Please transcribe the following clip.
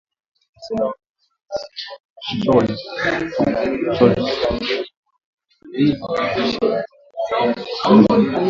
Kansela Olaf Scholz aliwakaribisha viongozi wenzake kutoka Canada